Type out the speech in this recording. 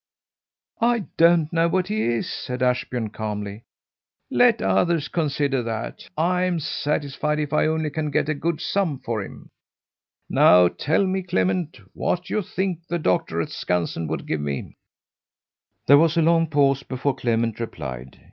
"I don't know what he is," said Ashbjörn calmly. "Let others consider that. I'm satisfied if only I can get a good sum for him. Now tell me, Clement, what you think the doctor at Skansen would give me." There was a long pause before Clement replied.